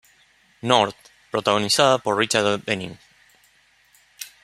North", protagonizada por Richard Denning.